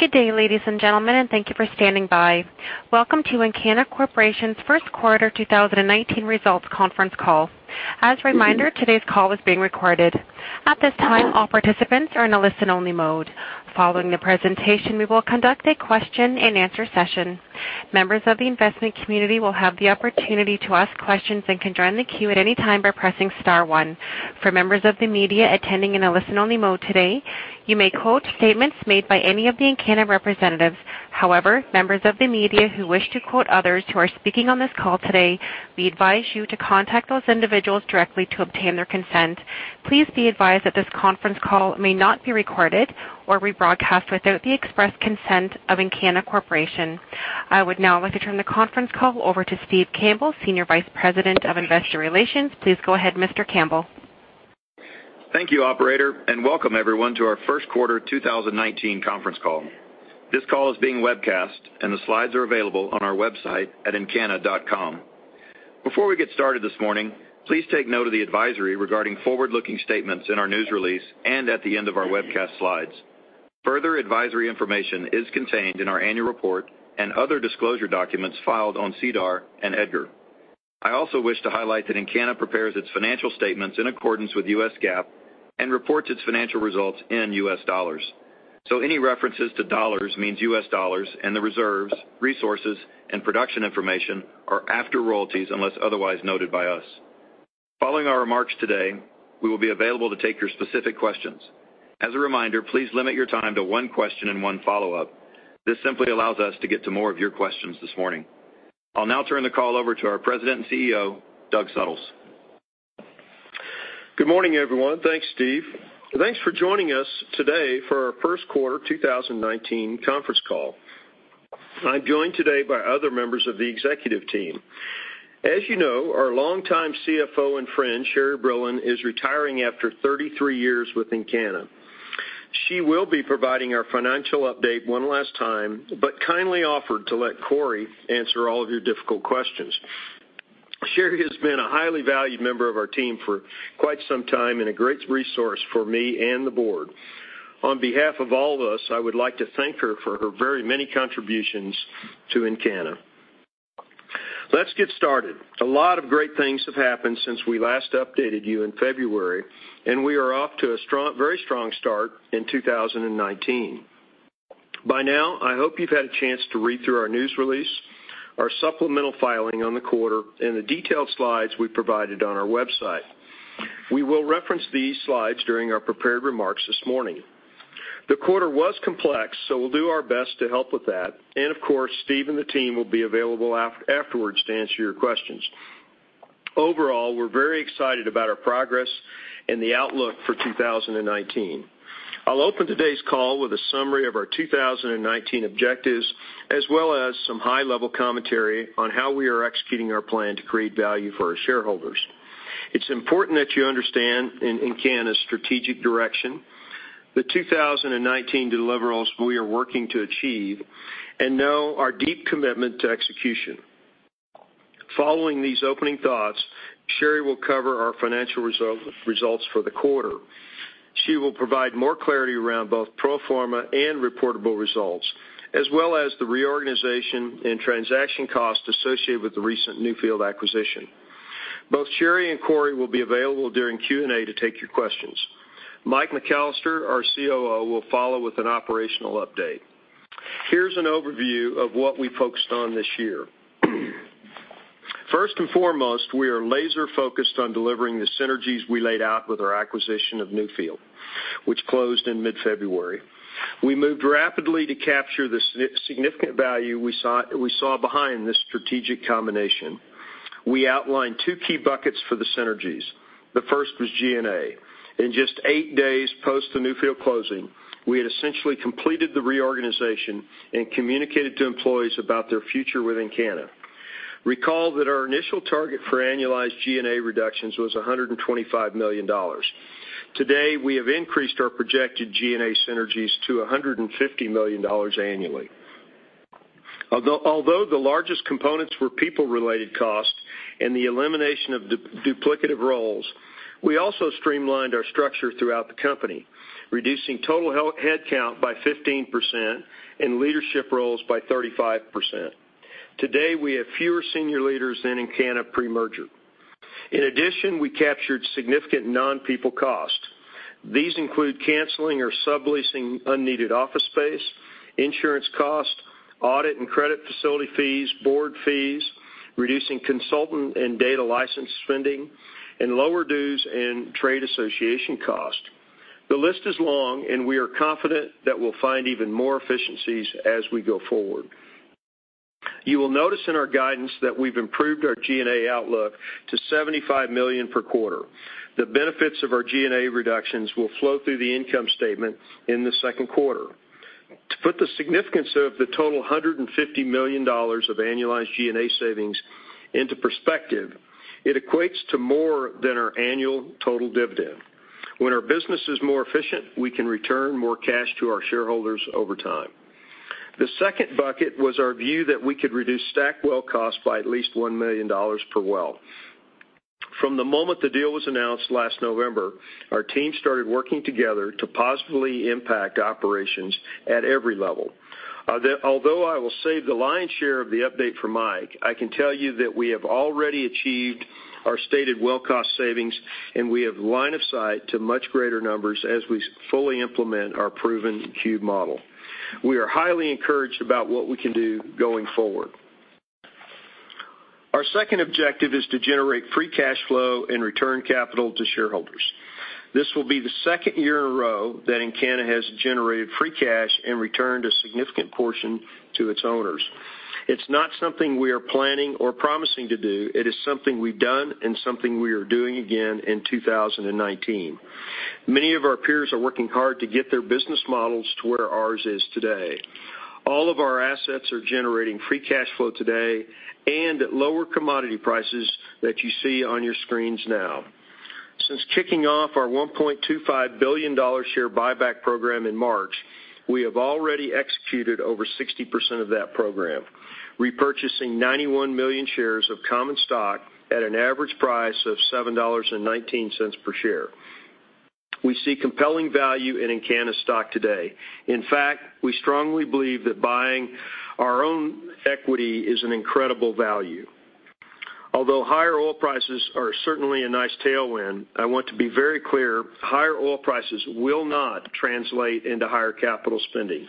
Good day, ladies and gentlemen, and thank you for standing by. Welcome to Encana Corporation's first quarter 2019 results conference call. As a reminder, today's call is being recorded. At this time, all participants are in a listen-only mode. Following the presentation, we will conduct a question-and-answer session. Members of the investment community will have the opportunity to ask questions and can join the queue at any time by pressing star one. For members of the media attending in a listen-only mode today, you may quote statements made by any of the Encana representatives. Members of the media who wish to quote others who are speaking on this call today, we advise you to contact those individuals directly to obtain their consent. Please be advised that this conference call may not be recorded or rebroadcast without the express consent of Encana Corporation. I would now like to turn the conference call over to Steve Campbell, Senior Vice President of Investor Relations. Please go ahead, Mr. Campbell. Thank you, operator, and welcome everyone to our first quarter 2019 conference call. This call is being webcast, and the slides are available on our website at encana.com. Before we get started this morning, please take note of the advisory regarding forward-looking statements in our news release, and at the end of our webcast slides. Further advisory information is contained in our annual report and other disclosure documents filed on SEDAR and EDGAR. I also wish to highlight that Encana prepares its financial statements in accordance with US GAAP and reports its financial results in US dollars. Any references to dollars means US dollars, and the reserves, resources, and production information are after royalties unless otherwise noted by us. Following our remarks today, we will be available to take your specific questions. As a reminder, please limit your time to one question and one follow-up. This simply allows us to get to more of your questions this morning. I'll now turn the call over to our President and CEO, Doug Suttles. Good morning, everyone. Thanks, Steve. Thanks for joining us today for our first quarter 2019 conference call. I am joined today by other members of the executive team. As you know, our longtime CFO and friend, Sherri Brillon, is retiring after 33 years with Encana. She will be providing our financial update one last time but kindly offered to let Corey answer all of your difficult questions. Sherri has been a highly valued member of our team for quite some time and a great resource for me and the board. On behalf of all of us, I would like to thank her for her very many contributions to Encana. Let's get started. A lot of great things have happened since we last updated you in February, and we are off to a very strong start in 2019. By now, I hope you've had a chance to read through our news release, our supplemental filing on the quarter, and the detailed slides we provided on our website. We will reference these slides during our prepared remarks this morning. The quarter was complex, so we'll do our best to help with that. Of course, Steve and the team will be available afterwards to answer your questions. Overall, we're very excited about our progress and the outlook for 2019. I'll open today's call with a summary of our 2019 objectives, as well as some high-level commentary on how we are executing our plan to create value for our shareholders. It's important that you understand Encana's strategic direction, the 2019 deliverables we are working to achieve, and know our deep commitment to execution. Following these opening thoughts, Sherri will cover our financial results for the quarter. She will provide more clarity around both pro forma and reportable results, as well as the reorganization and transaction costs associated with the recent Newfield acquisition. Both Sherri and Corey will be available during Q&A to take your questions. Mike McAllister, our COO, will follow with an operational update. Here's an overview of what we focused on this year. First and foremost, we are laser-focused on delivering the synergies we laid out with our acquisition of Newfield, which closed in mid-February. We moved rapidly to capture the significant value we saw behind this strategic combination. We outlined two key buckets for the synergies. The first was G&A. In just eight days post the Newfield closing, we had essentially completed the reorganization and communicated to employees about their future with Encana. Recall that our initial target for annualized G&A reductions was $125 million. Today, we have increased our projected G&A synergies to $150 million annually. Although the largest components were people-related costs and the elimination of duplicative roles, we also streamlined our structure throughout the company, reducing total head count by 15% and leadership roles by 35%. Today, we have fewer senior leaders than Encana pre-merger. In addition, we captured significant non-people costs. These include canceling or subleasing unneeded office space, insurance costs, audit and credit facility fees, board fees, reducing consultant and data license spending, and lower dues and trade association costs. The list is long, and we are confident that we'll find even more efficiencies as we go forward. You will notice in our guidance that we've improved our G&A outlook to $75 million per quarter. The benefits of our G&A reductions will flow through the income statement in the second quarter. To put the significance of the total $150 million of annualized G&A savings into perspective, it equates to more than our annual total dividend. When our business is more efficient, we can return more cash to our shareholders over time. The second bucket was our view that we could reduce STACK well costs by at least $1 million per well. From the moment the deal was announced last November, our team started working together to positively impact operations at every level. Although I will save the lion's share of the update for Mike, I can tell you that we have already achieved our stated well cost savings, and we have line of sight to much greater numbers as we fully implement our proven cube model. We are highly encouraged about what we can do going forward. Our second objective is to generate free cash flow and return capital to shareholders. This will be the second year in a row that Encana has generated free cash and returned a significant portion to its owners. It's not something we are planning or promising to do. It is something we've done and something we are doing again in 2019. Many of our peers are working hard to get their business models to where ours is today. All of our assets are generating free cash flow today and at lower commodity prices that you see on your screens now. Since kicking off our $1.25 billion share buyback program in March, we have already executed over 60% of that program, repurchasing 91 million shares of common stock at an average price of $7.19 per share. We see compelling value in Encana stock today. In fact, we strongly believe that buying our own equity is an incredible value. Although higher oil prices are certainly a nice tailwind, I want to be very clear, higher oil prices will not translate into higher capital spending.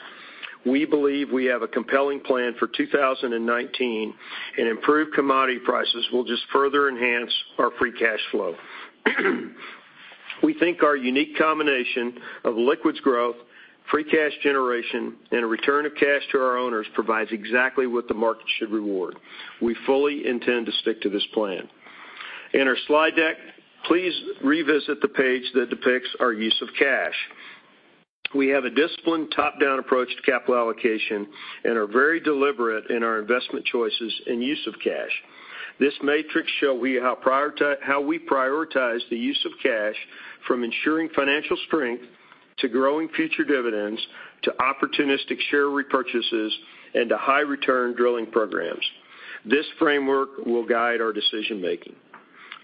We believe we have a compelling plan for 2019, and improved commodity prices will just further enhance our free cash flow. We think our unique combination of liquids growth, free cash generation, and a return of cash to our owners provides exactly what the market should reward. We fully intend to stick to this plan. In our slide deck, please revisit the page that depicts our use of cash. We have a disciplined top-down approach to capital allocation and are very deliberate in our investment choices and use of cash. This matrix show how we prioritize the use of cash from ensuring financial strength, to growing future dividends, to opportunistic share repurchases, and to high return drilling programs. This framework will guide our decision-making.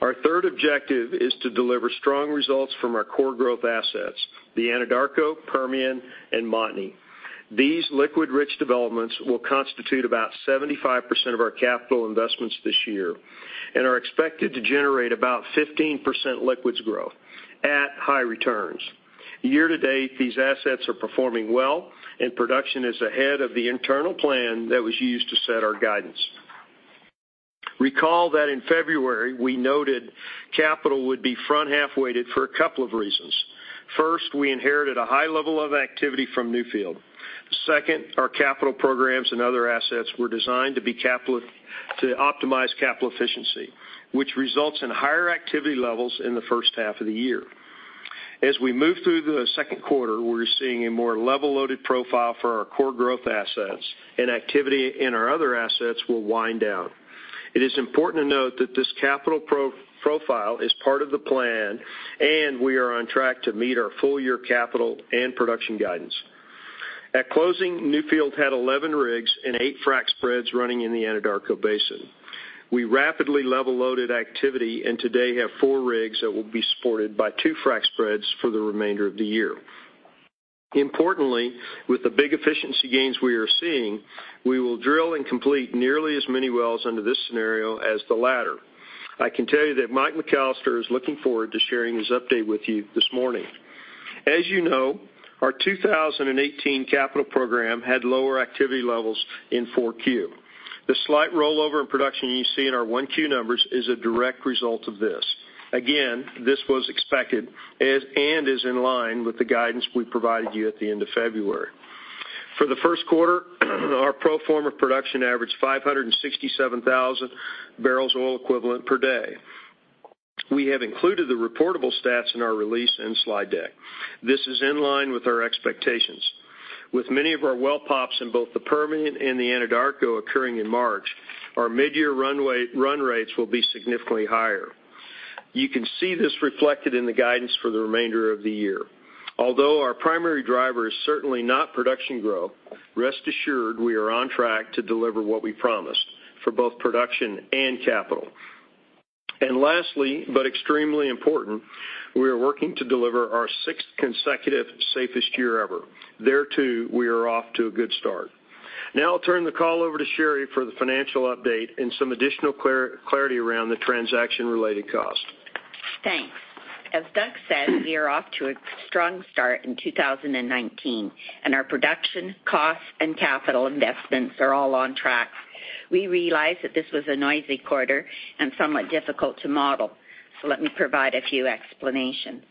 Our third objective is to deliver strong results from our core growth assets, the Anadarko, Permian, and Montney. These liquid-rich developments will constitute about 75% of our capital investments this year and are expected to generate about 15% liquids growth at high returns. Year to date, these assets are performing well, and production is ahead of the internal plan that was used to set our guidance. Recall that in February, we noted capital would be front-half weighted for a couple of reasons. First, we inherited a high level of activity from Newfield. Second, our capital programs and other assets were designed to optimize capital efficiency, which results in higher activity levels in the first half of the year. As we move through the second quarter, we're seeing a more level-loaded profile for our core growth assets, and activity in our other assets will wind down. It is important to note that this capital profile is part of the plan, and we are on track to meet our full-year capital and production guidance. At closing, Newfield had 11 rigs and eight frac spreads running in the Anadarko Basin. We rapidly level-loaded activity and today have four rigs that will be supported by two frac spreads for the remainder of the year. Importantly, with the big efficiency gains we are seeing, we will drill and complete nearly as many wells under this scenario as the latter. I can tell you that Mike McAllister is looking forward to sharing his update with you this morning. As you know, our 2018 capital program had lower activity levels in 4Q. The slight rollover in production you see in our 1Q numbers is a direct result of this. Again, this was expected and is in line with the guidance we provided you at the end of February. For the first quarter, our pro forma production averaged 567,000 barrels oil equivalent per day. We have included the reportable stats in our release and slide deck. This is in line with our expectations. With many of our well pops in both the Permian and the Anadarko occurring in March, our mid-year run rates will be significantly higher. You can see this reflected in the guidance for the remainder of the year. Lastly, but extremely important, we are working to deliver our sixth consecutive safest year ever. There, too, we are off to a good start. Now I'll turn the call over to Sherri for the financial update and some additional clarity around the transaction-related cost. Thanks. As Doug said, we are off to a strong start in 2019, and our production, costs, and capital investments are all on track. We realize that this was a noisy quarter and somewhat difficult to model. Let me provide a few explanations.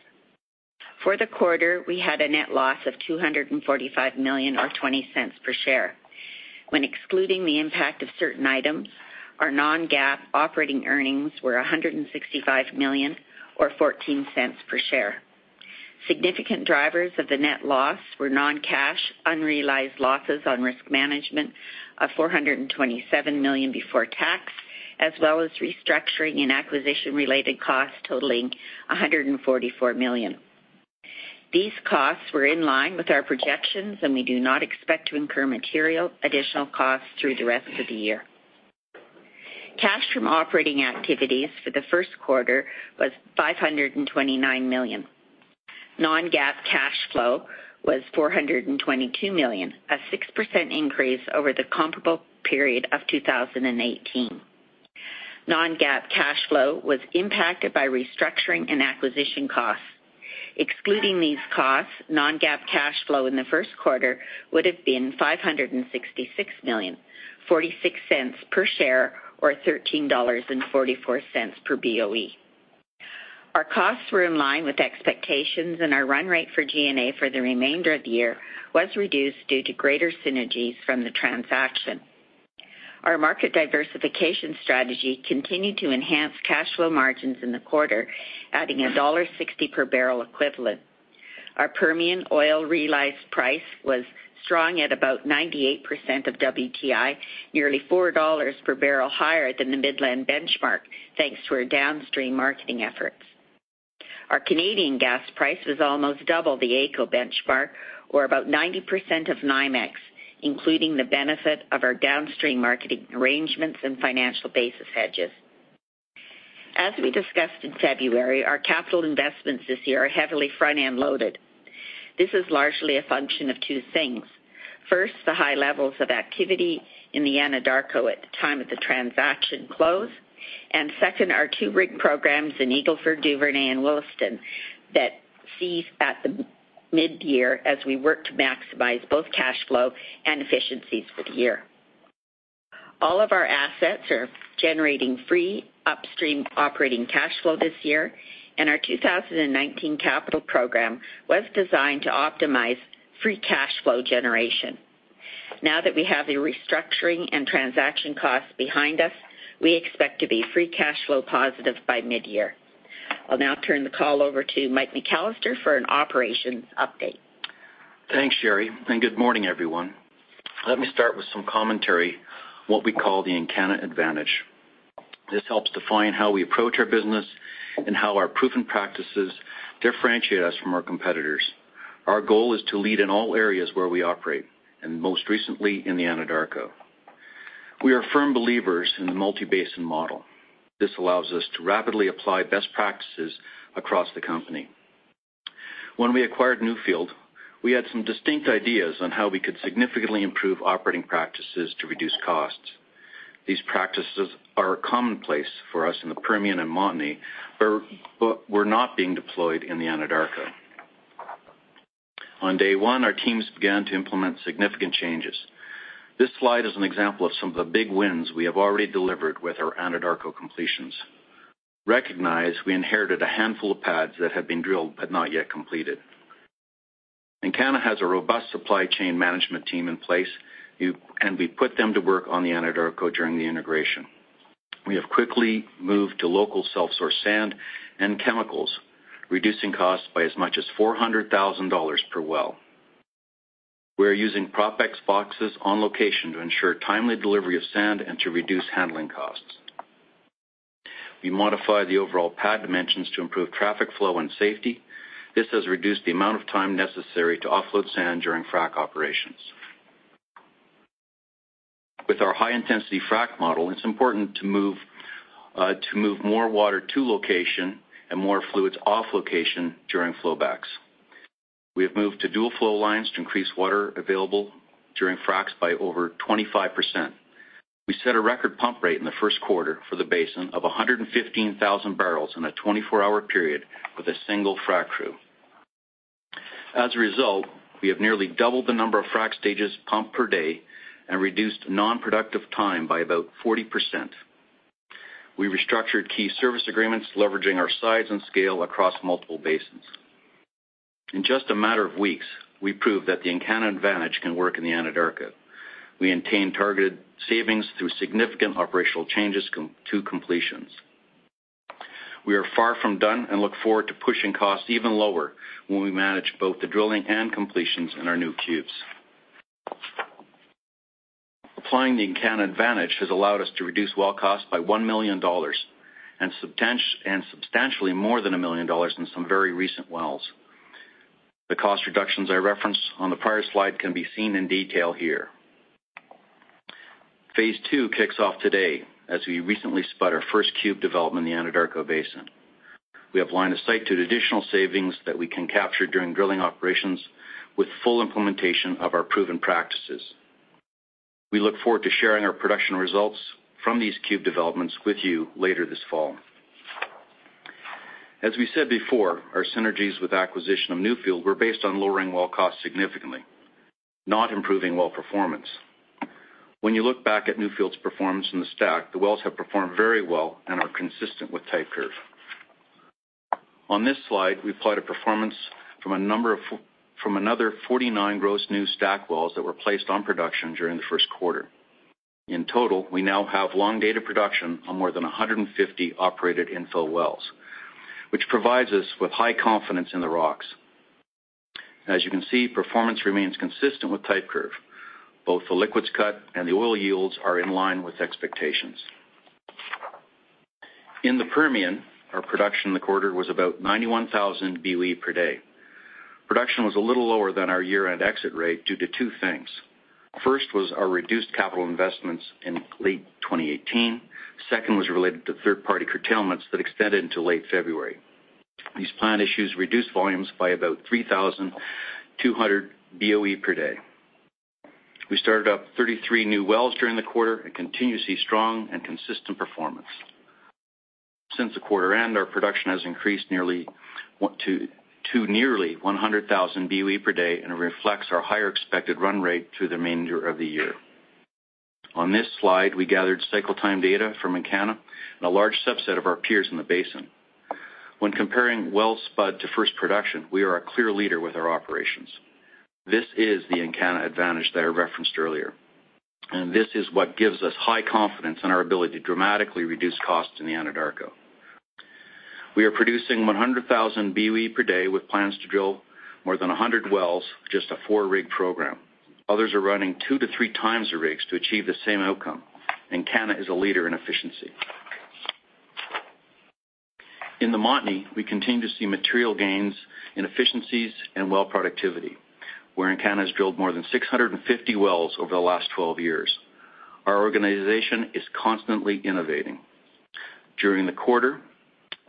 For the quarter, we had a net loss of $245 million or $0.20 per share. When excluding the impact of certain items, our non-GAAP operating earnings were $165 million or $0.14 per share. Significant drivers of the net loss were non-cash, unrealized losses on risk management of $427 million before tax, as well as restructuring and acquisition-related costs totaling $144 million. These costs were in line with our projections, and we do not expect to incur material additional costs through the rest of the year. Cash from operating activities for the first quarter was $529 million. non-GAAP cash flow was $422 million, a 6% increase over the comparable period of 2018. non-GAAP cash flow was impacted by restructuring and acquisition costs. Excluding these costs, non-GAAP cash flow in the first quarter would've been $566 million, $0.46 per share, or $13.44 per BOE. Our costs were in line with expectations, and our run rate for G&A for the remainder of the year was reduced due to greater synergies from the transaction. Our market diversification strategy continued to enhance cash flow margins in the quarter, adding $1.60 per barrel equivalent. Our Permian oil realized price was strong at about 98% of WTI, nearly $4 per barrel higher than the Midland benchmark, thanks to our downstream marketing efforts. Our Canadian gas price was almost double the AECO benchmark, or about 90% of NYMEX, including the benefit of our downstream marketing arrangements and financial basis hedges. As we discussed in February, our capital investments this year are heavily front-end loaded. This is largely a function of two things. First, the high levels of activity in the Anadarko at the time of the transaction close. Second, our two rig programs in Eagle Ford, Duvernay, and Williston that cease at the mid-year as we work to maximize both cash flow and efficiencies for the year. All of our assets are generating free upstream operating cash flow this year, and our 2019 capital program was designed to optimize free cash flow generation. Now that we have the restructuring and transaction costs behind us, we expect to be free cash flow positive by mid-year. I'll now turn the call over to Mike McAllister for an operations update. Thanks, Sherri, and good morning, everyone. Let me start with some commentary on what we call the Encana Advantage. This helps define how we approach our business and how our proven practices differentiate us from our competitors. Our goal is to lead in all areas where we operate, and most recently in the Anadarko. We are firm believers in the multi-basin model. This allows us to rapidly apply best practices across the company. When we acquired Newfield, we had some distinct ideas on how we could significantly improve operating practices to reduce costs. These practices are commonplace for us in the Permian and Montney, but were not being deployed in the Anadarko. On day one, our teams began to implement significant changes. This slide is an example of some of the big wins we have already delivered with our Anadarko completions. Recognize we inherited a handful of pads that had been drilled but not yet completed. Encana has a robust supply chain management team in place, and we put them to work on the Anadarko during the integration. We have quickly moved to local self-source sand and chemicals, reducing costs by as much as $400,000 per well. We're using PropX boxes on location to ensure timely delivery of sand and to reduce handling costs. We modified the overall pad dimensions to improve traffic flow and safety. This has reduced the amount of time necessary to offload sand during frac operations. With our high-intensity frac model, it's important to move more water to location and more fluids off location during flowbacks. We have moved to dual flow lines to increase water available during fracs by over 25%. We set a record pump rate in the first quarter for the basin of 115,000 barrels in a 24-hour period with a single frac crew. As a result, we have nearly doubled the number of frac stages pumped per day and reduced non-productive time by about 40%. We restructured key service agreements, leveraging our size and scale across multiple basins. In just a matter of weeks, we proved that the Encana Advantage can work in the Anadarko. We maintained targeted savings through significant operational changes to completions. We are far from done and look forward to pushing costs even lower when we manage both the drilling and completions in our new cubes. Applying the Encana Advantage has allowed us to reduce well cost by $1 million, and substantially more than $1 million in some very recent wells. The cost reductions I referenced on the prior slide can be seen in detail here. Phase two kicks off today as we recently spot our first cube development in the Anadarko Basin. We have line of sight to additional savings that we can capture during drilling operations with full implementation of our proven practices. We look forward to sharing our production results from these cube developments with you later this fall. As we said before, our synergies with acquisition of Newfield were based on lowering well cost significantly, not improving well performance. When you look back at Newfield's performance in the STACK, the wells have performed very well and are consistent with type curve. On this slide, we applied a performance from another 49 gross new STACK wells that were placed on production during the first quarter. In total, we now have long data production on more than 150 operated infill wells, which provides us with high confidence in the rocks. As you can see, performance remains consistent with type curve. Both the liquids cut and the oil yields are in line with expectations. In the Permian, our production in the quarter was about 91,000 BOE per day. Production was a little lower than our year-end exit rate due to two things. First was our reduced capital investments in late 2018. Second was related to third-party curtailments that extended into late February. These planned issues reduced volumes by about 3,200 BOE per day. We started up 33 new wells during the quarter and continue to see strong and consistent performance. Since the quarter end, our production has increased to nearly 100,000 BOE per day and reflects our higher expected run rate through the remainder of the year. On this slide, we gathered cycle time data from Encana and a large subset of our peers in the basin. When comparing well spud to first production, we are a clear leader with our operations. This is the Encana Advantage that I referenced earlier, and this is what gives us high confidence in our ability to dramatically reduce costs in the Anadarko. We are producing 100,000 BOE per day with plans to drill more than 100 wells with just a four-rig program. Others are running two to three times the rigs to achieve the same outcome. Encana is a leader in efficiency. In the Montney, we continue to see material gains in efficiencies and well productivity, where Encana's drilled more than 650 wells over the last 12 years. Our organization is constantly innovating. During the quarter,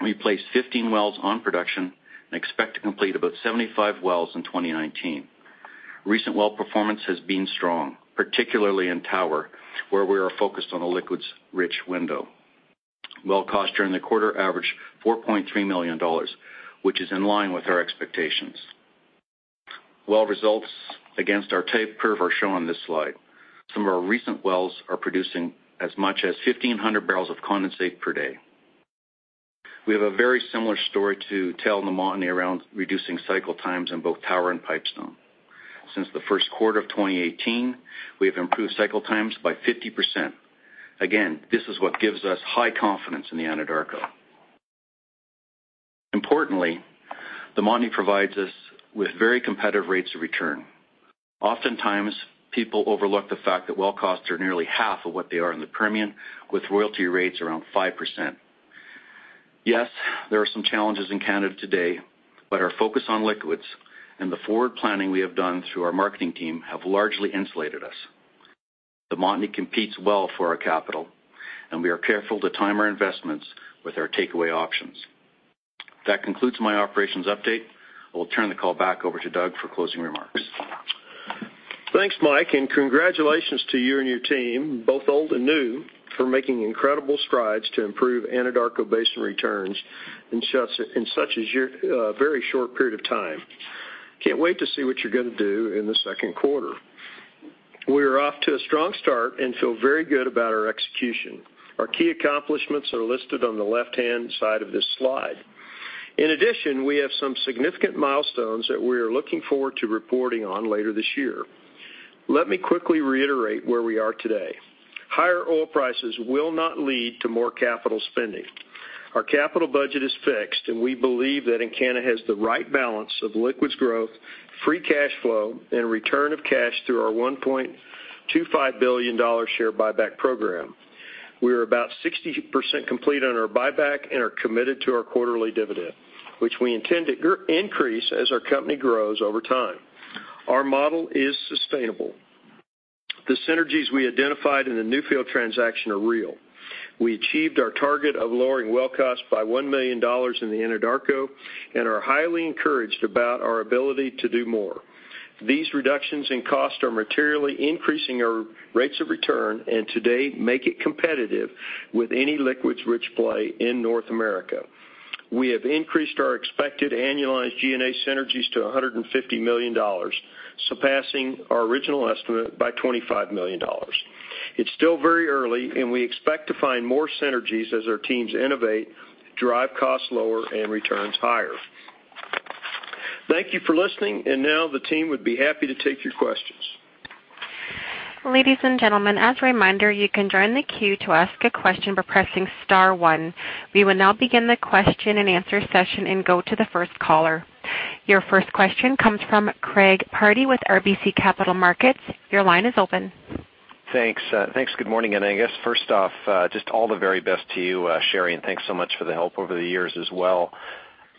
we placed 15 wells on production and expect to complete about 75 wells in 2019. Recent well performance has been strong, particularly in Tower, where we are focused on a liquids-rich window. Well cost during the quarter averaged $4.3 million, which is in line with our expectations. Well results against our type curve are shown on this slide. Some of our recent wells are producing as much as 1,500 barrels of condensate per day. We have a very similar story to tell in the Montney around reducing cycle times in both Tower and Pipestone. Since the first quarter of 2018, we have improved cycle times by 50%. This is what gives us high confidence in the Anadarko. The Montney provides us with very competitive rates of return. Oftentimes, people overlook the fact that well costs are nearly half of what they are in the Permian, with royalty rates around 5%. There are some challenges in Canada today, but our focus on liquids and the forward planning we have done through our marketing team have largely insulated us. The Montney competes well for our capital, and we are careful to time our investments with our takeaway options. That concludes my operations update. I will turn the call back over to Doug for closing remarks. Thanks, Mike, and congratulations to you and your team, both old and new, for making incredible strides to improve Anadarko Basin returns in such a very short period of time. Can't wait to see what you're going to do in the second quarter. We are off to a strong start and feel very good about our execution. Our key accomplishments are listed on the left-hand side of this slide. We have some significant milestones that we are looking forward to reporting on later this year. Let me quickly reiterate where we are today. Higher oil prices will not lead to more capital spending. Our capital budget is fixed, and we believe that Encana has the right balance of liquids growth, free cash flow, and return of cash through our $1.25 billion share buyback program. We are about 60% complete on our buyback and are committed to our quarterly dividend, which we intend to increase as our company grows over time. Our model is sustainable. The synergies we identified in the Newfield transaction are real. We achieved our target of lowering well cost by $1 million in the Anadarko and are highly encouraged about our ability to do more. These reductions in cost are materially increasing our rates of return and today make it competitive with any liquids-rich play in North America. We have increased our expected annualized G&A synergies to $150 million, surpassing our original estimate by $25 million. It's still very early, and we expect to find more synergies as our teams innovate, drive costs lower, and returns higher. Thank you for listening, and now the team would be happy to take your questions. Ladies and gentlemen, as a reminder, you can join the queue to ask a question by pressing *1. We will now begin the question-and-answer session and go to the first caller. Your first question comes from Greg Pardy with RBC Capital Markets. Your line is open. Thanks. Good morning. I guess first off, just all the very best to you, Sherri, and thanks so much for the help over the years as well.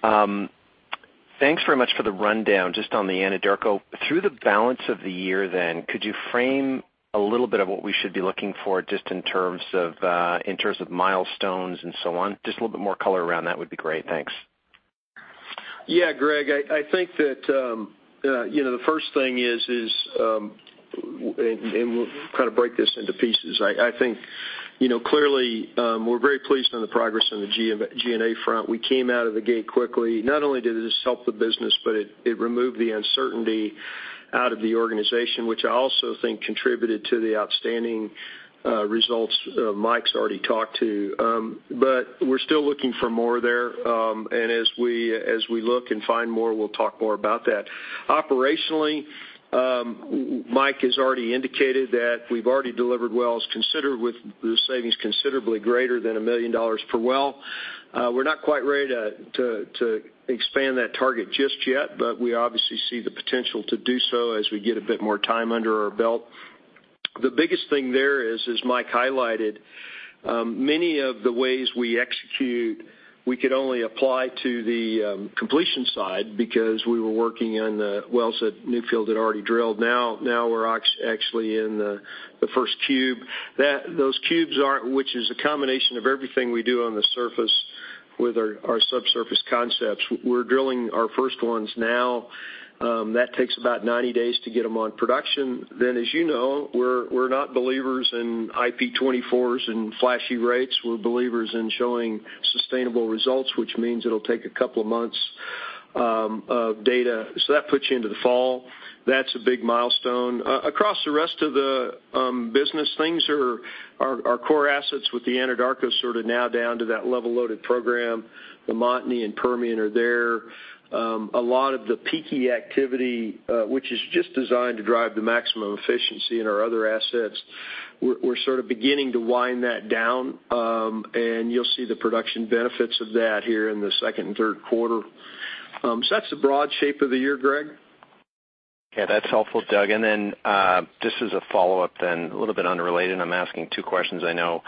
Thanks very much for the rundown just on the Anadarko. Through the balance of the year, could you frame a little bit of what we should be looking for just in terms of milestones and so on? Just a little bit more color around that would be great. Thanks. Yeah, Greg. I think that the first thing, we'll kind of break this into pieces. I think clearly, we're very pleased on the progress on the G&A front. We came out of the gate quickly. Not only did this help the business, but it removed the uncertainty out of the organization, which I also think contributed to the outstanding results Mike's already talked to. We're still looking for more there, and as we look and find more, we'll talk more about that. Operationally, Mike has already indicated that we've already delivered wells with the savings considerably greater than $1 million per well. We're not quite ready to expand that target just yet. We obviously see the potential to do so as we get a bit more time under our belt. The biggest thing there is, as Mike highlighted, many of the ways we execute, we could only apply to the completion side because we were working on the wells that Newfield had already drilled. Now we're actually in the first cube, which is a combination of everything we do on the surface with our subsurface concepts. We're drilling our first ones now. That takes about 90 days to get them on production. As you know, we're not believers in IP 24s and flashy rates. We're believers in showing sustainable results, which means it'll take a couple of months of data. That puts you into the fall. That's a big milestone. Across the rest of the business, our core assets with the Anadarko sort of now down to that level loaded program. The Montney and Permian are there. A lot of the peaky activity, which is just designed to drive the maximum efficiency in our other assets, we're sort of beginning to wind that down. You'll see the production benefits of that here in the second and third quarter. That's the broad shape of the year, Greg. Okay, that's helpful, Doug. Just as a follow-up then, a little bit unrelated, I'm asking two questions, I know.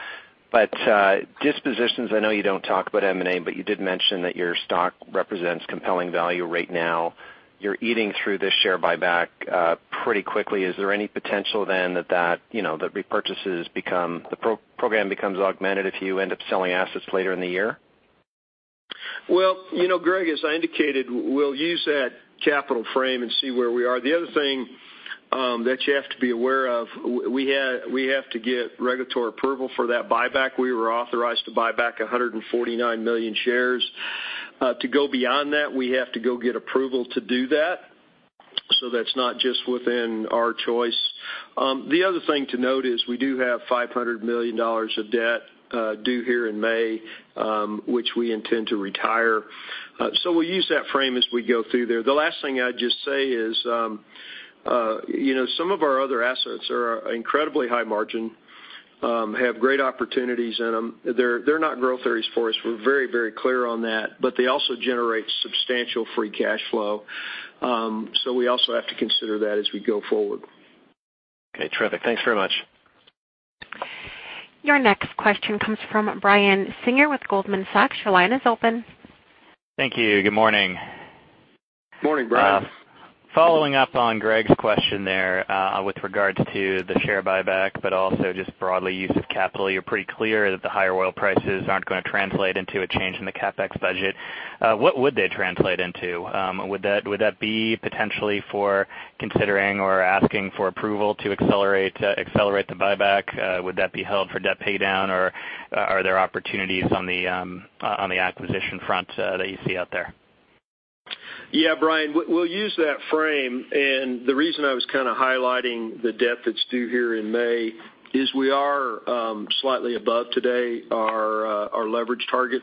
Dispositions, I know you don't talk about M&A, but you did mention that your stock represents compelling value right now. You're eating through this share buyback pretty quickly. Is there any potential then that the program becomes augmented if you end up selling assets later in the year? Well, Greg, as I indicated, we'll use that capital frame and see where we are. The other thing that you have to be aware of, we have to get regulatory approval for that buyback. We were authorized to buy back 149 million shares. To go beyond that, we have to go get approval to do that. That's not just within our choice. The other thing to note is we do have $500 million of debt due here in May, which we intend to retire. We'll use that frame as we go through there. The last thing I'd just say is some of our other assets are incredibly high margin, have great opportunities in them. They're not growth areas for us, we're very clear on that. They also generate substantial free cash flow. We also have to consider that as we go forward. Okay, terrific. Thanks very much. Your next question comes from Brian Singer with Goldman Sachs. Your line is open. Thank you. Good morning. Morning, Brian. Following up on Greg's question there, with regards to the share buyback, but also just broadly use of capital. You're pretty clear that the higher oil prices aren't going to translate into a change in the CapEx budget. What would they translate into? Would that be potentially for considering or asking for approval to accelerate the buyback? Would that be held for debt paydown, or are there opportunities on the acquisition front that you see out there? Yeah, Brian, we'll use that frame. The reason I was kind of highlighting the debt that's due here in May is we are slightly above today our leverage target.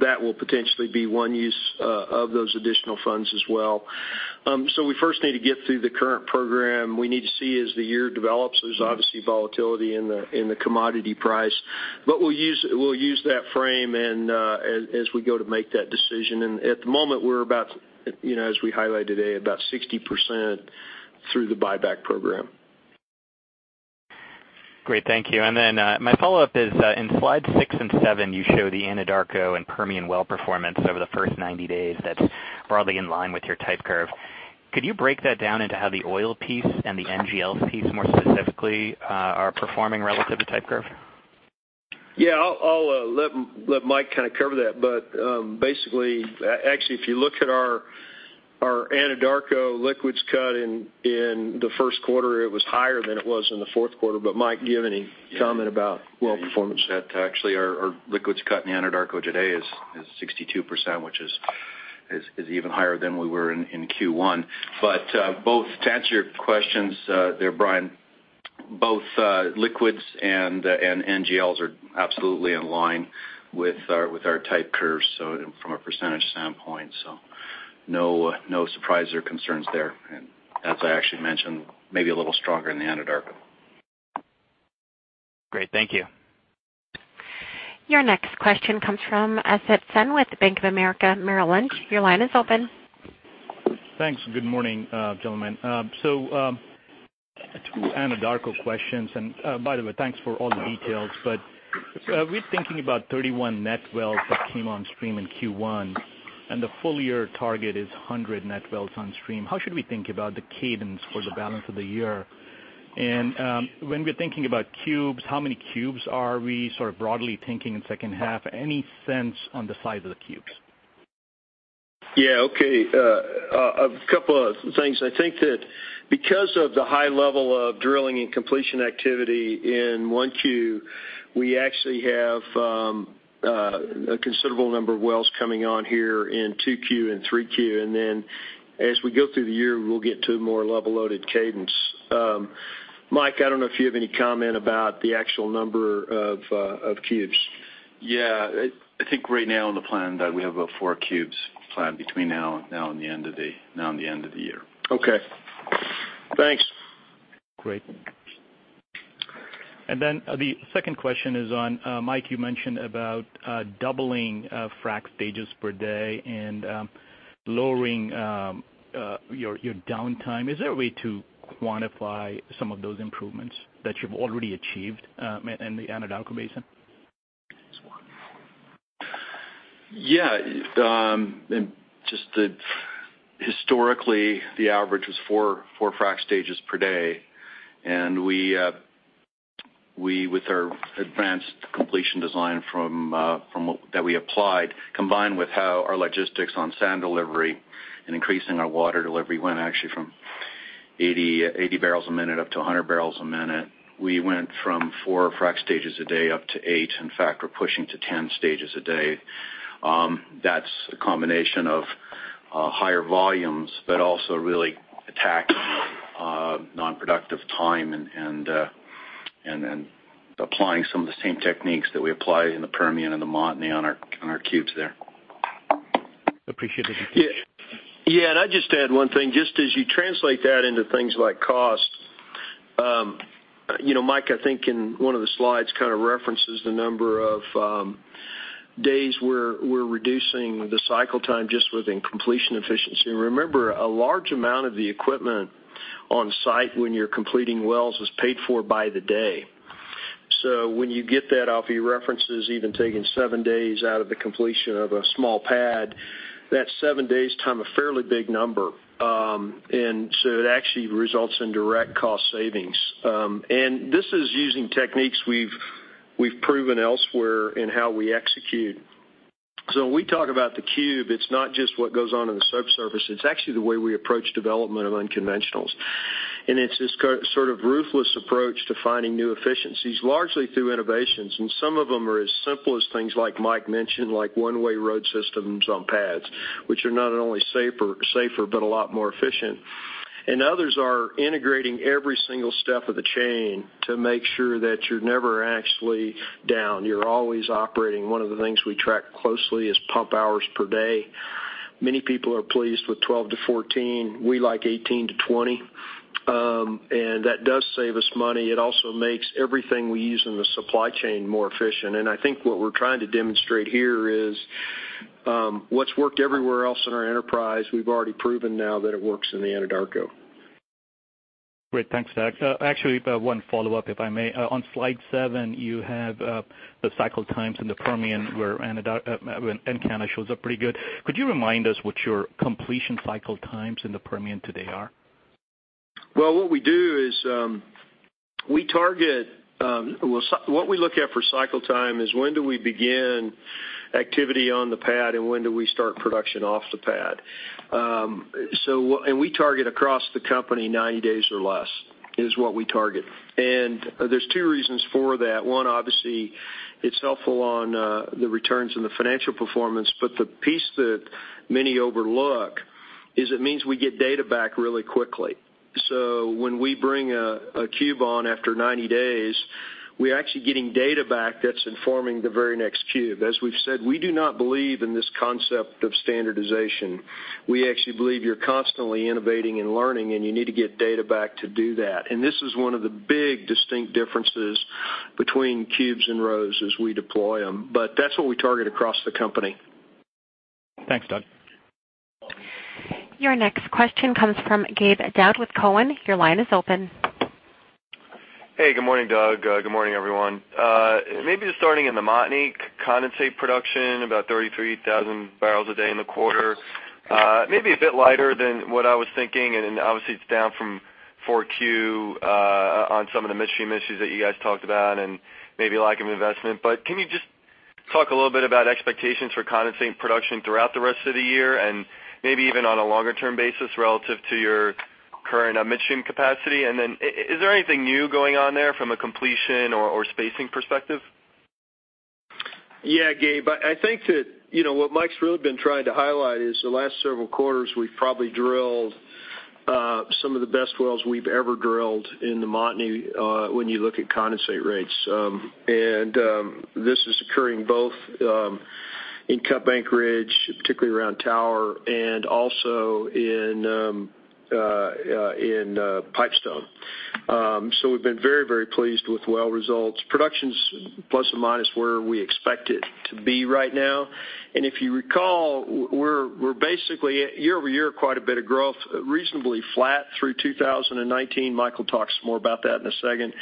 That will potentially be one use of those additional funds as well. We first need to get through the current program. We need to see as the year develops. There's obviously volatility in the commodity price. We'll use that frame and as we go to make that decision. At the moment, we're about, as we highlighted today, about 60% through the buyback program. Great. Thank you. My follow-up is, in slide six and seven, you show the Anadarko and Permian well performance over the first 90 days that's broadly in line with your type curve. Could you break that down into how the oil piece and the NGLs piece more specifically are performing relative to type curve? Yeah, I'll let Mike kind of cover that. Basically, actually, if you look at our Anadarko liquids cut in the first quarter, it was higher than it was in the fourth quarter. Mike, do you have any comment about well performance? That actually our liquids cut in the Anadarko today is 62%, which is even higher than we were in Q1. Both to answer your questions there, Brian, both liquids and NGLs are absolutely in line with our type curves, so from a percentage standpoint. No surprise or concerns there. As I actually mentioned, maybe a little stronger in the Anadarko. Great. Thank you. Your next question comes from Asit Sen with Bank of America Merrill Lynch. Your line is open. Thanks. Good morning, gentlemen. Two Anadarko questions, and by the way, thanks for all the details. We're thinking about 31 net wells that came on stream in Q1, and the full-year target is 100 net wells on stream. How should we think about the cadence for the balance of the year? When we're thinking about cubes, how many cubes are we sort of broadly thinking in second half? Any sense on the size of the cubes? Yeah. Okay. A couple of things. I think that because of the high level of drilling and completion activity in 1Q, we actually have a considerable number of wells coming on here in 2Q and 3Q, and then as we go through the year, we'll get to a more level-loaded cadence. Mike, I don't know if you have any comment about the actual number of cubes. Yeah. I think right now in the plan that we have about four cubes planned between now and the end of the year. Okay. Thanks. Great. The second question is on, Mike, you mentioned about doubling frac stages per day and lowering your downtime. Is there a way to quantify some of those improvements that you've already achieved in the Anadarko Basin? Yeah. Historically, the average was four frac stages per day. We, with our advanced completion design that we applied, combined with how our logistics on sand delivery and increasing our water delivery went actually from 80 barrels a minute up to 100 barrels a minute. We went from four frac stages a day up to eight. In fact, we're pushing to 10 stages a day. That's a combination of higher volumes, but also really attacking non-productive time and then applying some of the same techniques that we apply in the Permian and the Montney on our cubes there. Appreciate it. I'd just add one thing, just as you translate that into things like cost. Mike, I think in one of the slides kind of references the number of days where we're reducing the cycle time just within completion efficiency. Remember, a large amount of the equipment on site when you're completing wells is paid for by the day. When you get that off, he references even taking seven days out of the completion of a small pad. That's seven days time, a fairly big number. It actually results in direct cost savings. This is using techniques we've proven elsewhere in how we execute. When we talk about the cube, it's not just what goes on in the subsurface, it's actually the way we approach development of unconventionals. It's this sort of ruthless approach to finding new efficiencies, largely through innovations. Some of them are as simple as things like Mike mentioned, like one-way road systems on pads, which are not only safer, a lot more efficient. Others are integrating every single step of the chain to make sure that you're never actually down. You're always operating. One of the things we track closely is pump hours per day. Many people are pleased with 12 to 14. We like 18 to 20. That does save us money. It also makes everything we use in the supply chain more efficient. I think what we're trying to demonstrate here is what's worked everywhere else in our enterprise, we've already proven now that it works in the Anadarko. Great. Thanks, Doug. Actually, one follow-up, if I may. On slide seven, you have the cycle times in the Permian where Encana shows up pretty good. Could you remind us what your completion cycle times in the Permian today are? What we look at for cycle time is when do we begin activity on the pad and when do we start production off the pad? We target across the company 90 days or less, is what we target. There's two reasons for that. One, obviously, it's helpful on the returns and the financial performance. The piece that many overlook is it means we get data back really quickly. When we bring a cube on after 90 days, we're actually getting data back that's informing the very next cube. As we've said, we do not believe in this concept of standardization. We actually believe you're constantly innovating and learning, and you need to get data back to do that. This is one of the big distinct differences between cubes and rows as we deploy them. That's what we target across the company. Thanks, Doug. Your next question comes from Gabe Daoud with Cowen. Your line is open. Good morning, Doug. Good morning, everyone. A bit lighter than what I was thinking, and obviously, it's down from 4Q on some of the midstream issues that you guys talked about and lack of investment. Can you just talk a little bit about expectations for condensate production throughout the rest of the year and even on a longer-term basis relative to your current midstream capacity? Is there anything new going on there from a completions or spacing perspective? Gabe, I think that what Mike's really been trying to highlight is the last several quarters, we've probably drilled some of the best wells we've ever drilled in the Montney, when you look at condensate rates. This is occurring both in Cut Bank Ridge, particularly around Tower, and also in Pipestone. We've been very, very pleased with well results. Production's plus or minus where we expect it to be right now. If you recall, we're basically year-over-year, quite a bit of growth, reasonably flat through 2019. Mike will talk some more about that in a second.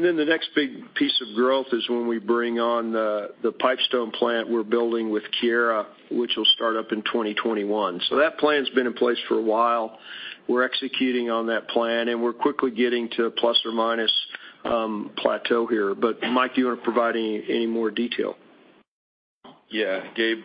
The next big piece of growth is when we bring on the Pipestone plant we're building with Keyera, which will start up in 2021. That plan's been in place for a while. We're executing on that plan, and we're quickly getting to a plus or minus plateau here. Mike, do you want to provide any more detail? Gabe,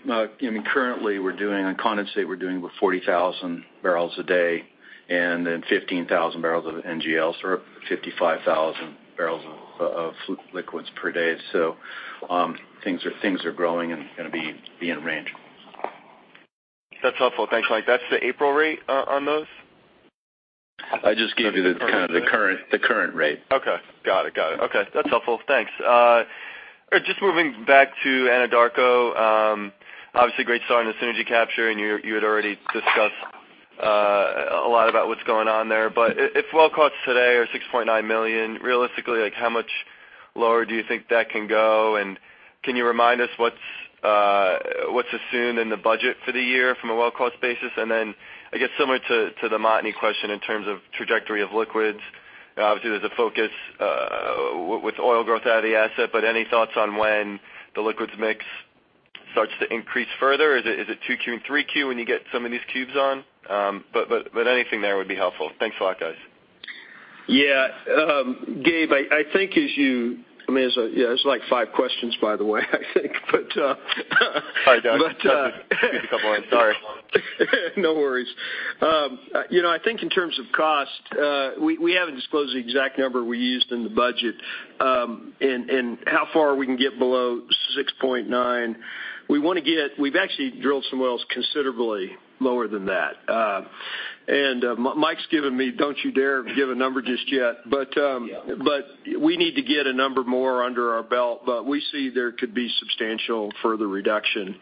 currently we're doing a condensate. We're doing about 40,000 barrels a day and 15,000 barrels of NGLs or 55,000 barrels of liquids per day. Things are growing and going to be in range. That's helpful. Thanks, Mike. That's the April rate on those? I just gave you the current rate. Okay. Got it. That's helpful. Thanks. Just moving back to Anadarko. Obviously great start on the synergy capture, and you had already discussed a lot about what's going on there. But if well costs today are $6.9 million, realistically, how much lower do you think that can go? And can you remind us what's assumed in the budget for the year from a well cost basis? Then, I guess similar to the Montney question in terms of trajectory of liquids. Obviously, there's a focus with oil growth out of the asset, but any thoughts on when the liquids mix starts to increase further? Is it 2Q and 3Q when you get some of these cubes on? But anything there would be helpful. Thanks a lot, guys. Yeah. Gabe, that's five questions, by the way, I think. Sorry, guys. Squeezed a couple in, sorry. No worries. I think in terms of cost, we haven't disclosed the exact number we used in the budget, and how far we can get below 6.9. We've actually drilled some wells considerably lower than that. Mike's given me, "Don't you dare give a number just yet. Yeah We need to get a number more under our belt, but we see there could be substantial further reduction.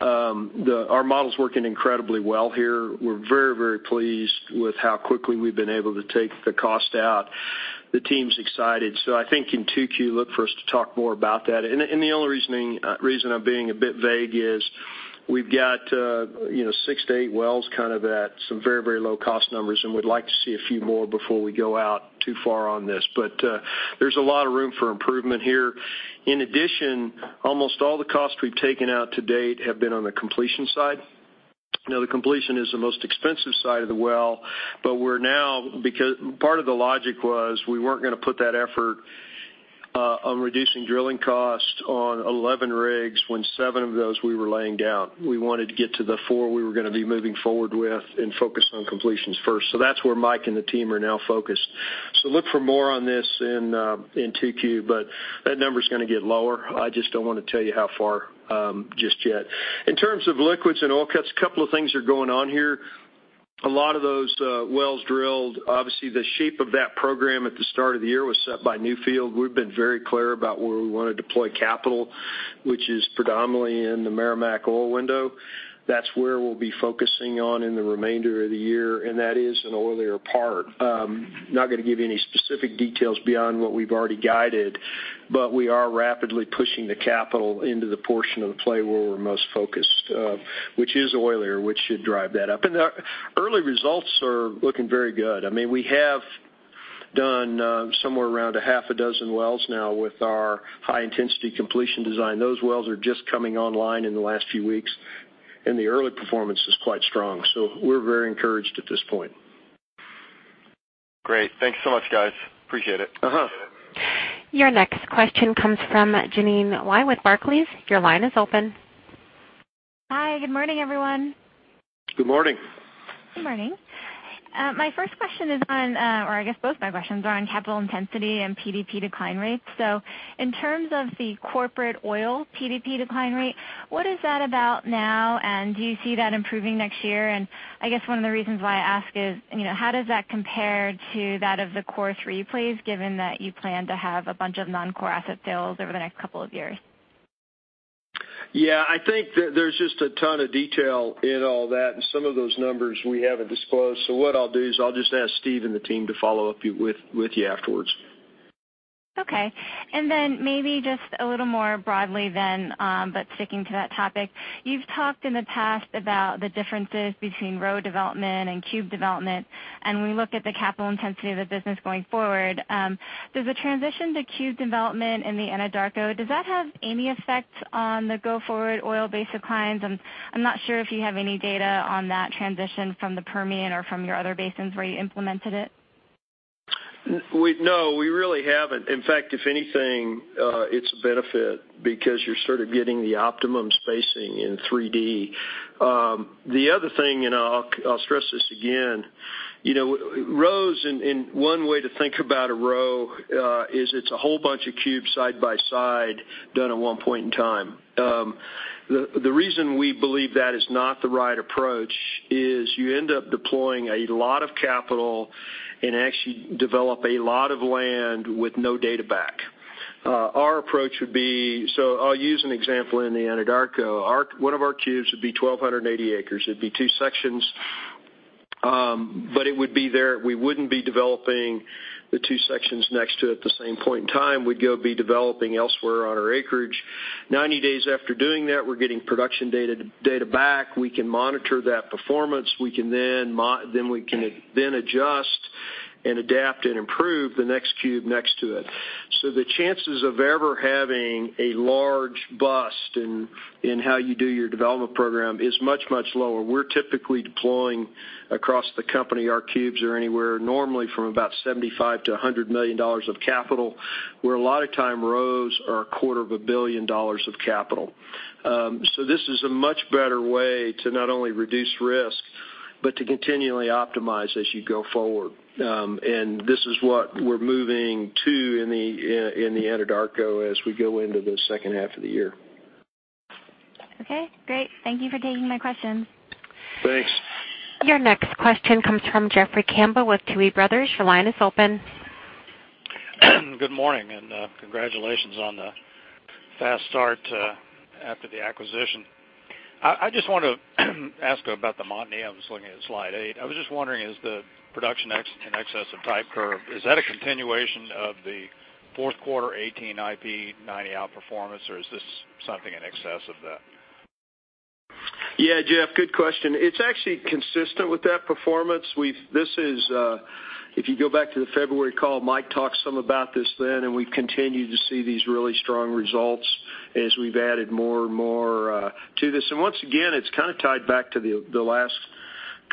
Our model's working incredibly well here. We're very, very pleased with how quickly we've been able to take the cost out. The team's excited. I think in 2Q, look for us to talk more about that. The only reason I'm being a bit vague is we've got six to eight wells at some very, very low cost numbers, and we'd like to see a few more before we go out too far on this. There's a lot of room for improvement here. In addition, almost all the costs we've taken out to date have been on the completion side. The completion is the most expensive side of the well. Part of the logic was we weren't going to put that effort on reducing drilling costs on 11 rigs when seven of those we were laying down. We wanted to get to the four we were going to be moving forward with and focus on completions first. That's where Mike and the team are now focused. Look for more on this in 2Q, but that number's going to get lower. I just don't want to tell you how far just yet. In terms of liquids and oil cuts, a couple of things are going on here. A lot of those wells drilled, obviously the shape of that program at the start of the year was set by Newfield. We've been very clear about where we want to deploy capital, which is predominantly in the Meramec oil window. That's where we'll be focusing on in the remainder of the year, and that is an oilier part. I'm not going to give you any specific details beyond what we've already guided, but we are rapidly pushing the capital into the portion of the play where we're most focused, which is oilier, which should drive that up. The early results are looking very good. We have done somewhere around a half a dozen wells now with our high-intensity completion design. Those wells are just coming online in the last few weeks, and the early performance is quite strong. We're very encouraged at this point. Great. Thank you so much, guys. Appreciate it. Your next question comes from Jeannine Lai with Barclays. Your line is open. Hi. Good morning, everyone. Good morning. Good morning. My first question is on, or I guess both my questions are on capital intensity and PDP decline rates. In terms of the corporate oil PDP decline rate, what is that about now, and do you see that improving next year? I guess one of the reasons why I ask is, how does that compare to that of the core three plays, given that you plan to have a bunch of non-core asset sales over the next couple of years? I think that there's just a ton of detail in all that, and some of those numbers we haven't disclosed. What I'll do is I'll just ask Steve and the team to follow up with you afterwards. Okay. Maybe just a little more broadly, but sticking to that topic. You've talked in the past about the differences between row development and cube development. When we look at the capital intensity of the business going forward, does the transition to cube development in the Anadarko, does that have any effect on the go-forward oil basin declines? I'm not sure if you have any data on that transition from the Permian or from your other basins where you implemented it. No, we really haven't. In fact, if anything, it's a benefit because you're sort of getting the optimum spacing in 3D. The other thing, I'll stress this again. Rows, one way to think about a row is it's a whole bunch of cubes side by side done at one point in time. The reason we believe that is not the right approach is you end up deploying a lot of capital and actually develop a lot of land with no data back. Our approach would be, I'll use an example in the Anadarko. One of our cubes would be 1,280 acres. It'd be two sections, but we wouldn't be developing the two sections next to it at the same point in time. We'd go be developing elsewhere on our acreage. 90 days after doing that, we're getting production data back. We can monitor that performance. We can then adjust and adapt and improve the next cube next to it. The chances of ever having a large bust in how you do your development program is much, much lower. We're typically deploying across the company. Our cubes are anywhere normally from about $75 million-$100 million of capital, where a lot of time rows are a quarter of a billion dollars of capital. This is a much better way to not only reduce risk, but to continually optimize as you go forward. This is what we're moving to in the Anadarko as we go into the second half of the year. Okay, great. Thank you for taking my questions. Thanks. Your next question comes from Jeffrey Campbell with Tuohy Brothers. Your line is open. Good morning and congratulations on the fast start after the acquisition. I just want to ask about the Montney. I was looking at slide eight. I was just wondering, is the production in excess of type curve, is that a continuation of the fourth quarter 2018 IP 90 outperformance, or is this something in excess of that? Jeff, good question. It's actually consistent with that performance. If you go back to the February call, Mike talked some about this then. We've continued to see these really strong results as we've added more and more to this. Once again, it's kind of tied back to the last couple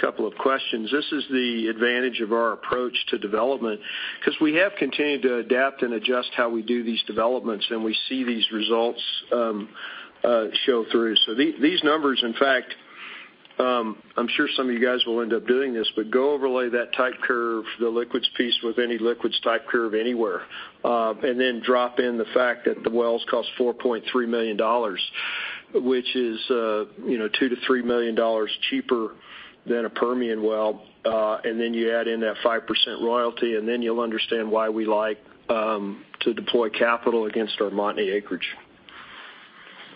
of questions. This is the advantage of our approach to development, because we have continued to adapt and adjust how we do these developments. We see these results show through. These numbers, in fact, I'm sure some of you guys will end up doing this, but go overlay that type curve, the liquids piece with any liquids type curve anywhere, and then drop in the fact that the wells cost $4.3 million, which is $2 million-$3 million cheaper than a Permian well. You add in that 5% royalty. You'll understand why we like to deploy capital against our Montney acreage.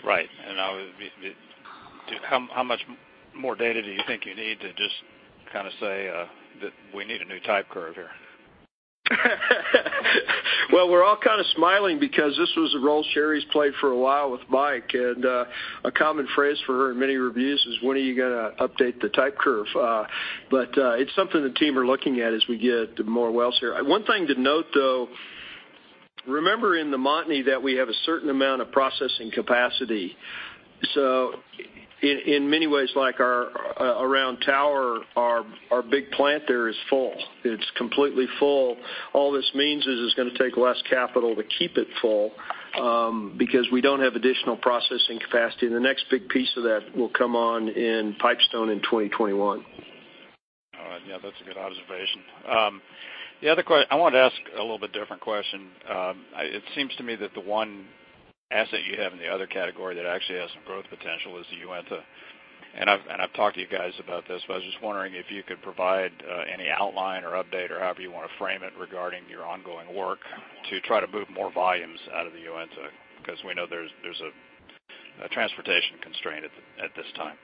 Right. How much more data do you think you need to just kind of say that we need a new type curve here? We're all kind of smiling because this was a role Sherri's played for a while with Mike. A common phrase for her in many reviews is, "When are you going to update the type curve?" It's something the team are looking at as we get more wells here. One thing to note, though, remember in the Montney that we have a certain amount of processing capacity. In many ways, like around tower, our big plant there is full. It's completely full. All this means is it's going to take less capital to keep it full, because we don't have additional processing capacity. The next big piece of that will come on in Pipestone in 2021. All right. Yeah, that's a good observation. I wanted to ask a little bit different question. It seems to me that the one asset you have in the other category that actually has some growth potential is the Uinta. I've talked to you guys about this, but I was just wondering if you could provide any outline or update or however you want to frame it regarding your ongoing work to try to move more volumes out of the Uinta. We know there's a transportation constraint at this time.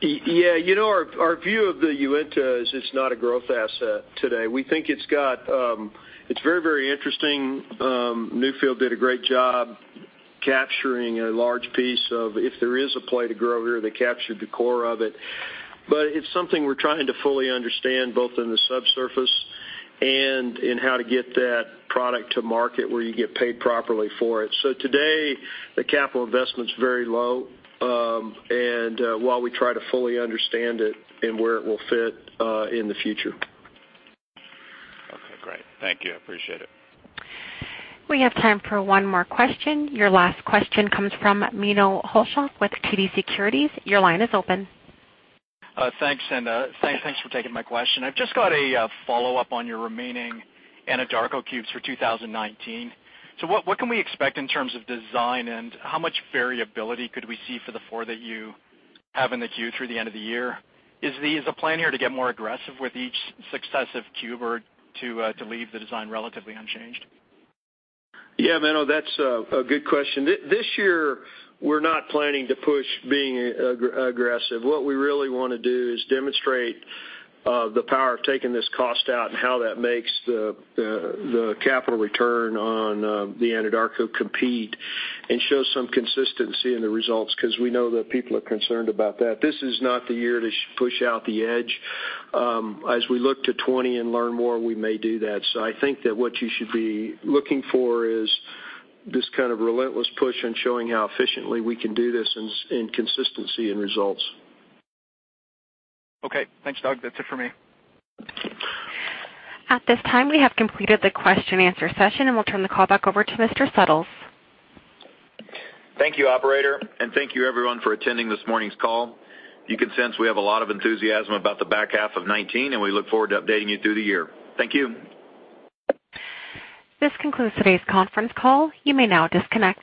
Yeah. Our view of the Uinta is it's not a growth asset today. We think it's very, very interesting. Newfield did a great job capturing a large piece. If there is a play to grow here, they captured the core of it. It's something we're trying to fully understand, both in the subsurface and in how to get that product to market where you get paid properly for it. Today, the capital investment's very low, and while we try to fully understand it and where it will fit in the future. Okay, great. Thank you. I appreciate it. We have time for one more question. Your last question comes from Menno Hulshof with TD Securities. Your line is open. Thanks, and thanks for taking my question. I've just got a follow-up on your remaining Anadarko cubes for 2019. What can we expect in terms of design, and how much variability could we see for the four that you have in the queue through the end of the year? Is the plan here to get more aggressive with each successive cube, or to leave the design relatively unchanged? Yeah, Menno, that's a good question. This year, we're not planning to push being aggressive. What we really want to do is demonstrate the power of taking this cost out and how that makes the capital return on the Anadarko compete and show some consistency in the results, because we know that people are concerned about that. This is not the year to push out the edge. As we look to 2020 and learn more, we may do that. I think that what you should be looking for is this kind of relentless push on showing how efficiently we can do this in consistency in results. Okay. Thanks, Doug. That's it for me. At this time, we have completed the question and answer session, and we'll turn the call back over to Mr. Suttles. Thank you, operator, and thank you everyone for attending this morning's call. You can sense we have a lot of enthusiasm about the back half of 2019, and we look forward to updating you through the year. Thank you. This concludes today's conference call. You may now disconnect.